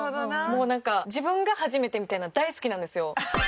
もうなんか自分が初めてみたいなの大好きなんですよ。